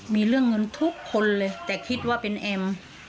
มีเรื่องเงินทุกคนเลยแต่คิดว่าเป็นแอม